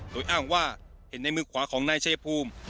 โดยอ้างว่าเห็นในมือขวาของนายชายภูมิ